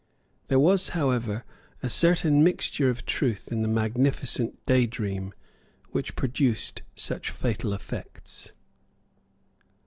There was, however, a certain mixture of truth in the magnificent day dream which produced such fatal effects.